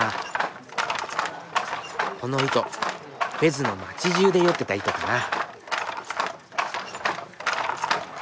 この糸フェズの街じゅうでよってた糸かな。